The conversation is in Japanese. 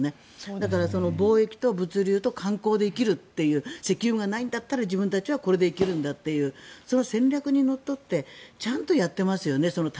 だから、貿易と物流と観光で生きるという石油がないんだったら自分たちはこれで生きるんだというその戦略にのっとって対策をちゃんとやってますよね。